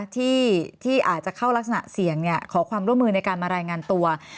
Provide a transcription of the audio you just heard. ที่อาจจะเข้ารักษณะเสี่ยงขอความร่วมมือในการมารายงานตัว